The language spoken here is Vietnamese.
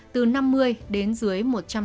từ năm mươi đến dưới một trăm năm mươi